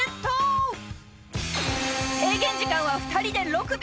［制限時間は２人で６秒。